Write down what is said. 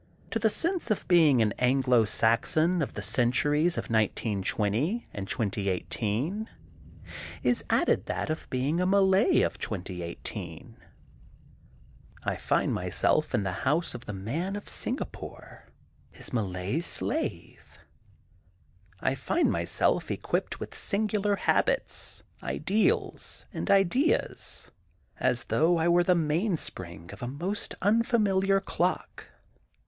To the sense of being an Anglo Saxon of the centuries of 1920 and 2018 is added that of being a Malay of 2018 : I find myself in the house of the Man from Singapore his Malay slave. I find myself equipped with singular habits, ideals, and' ideas, as though I were the mainspring of a most unfamiliar clock.